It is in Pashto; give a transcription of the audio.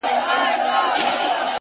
چي ستا له سونډو نه خندا وړي څوك!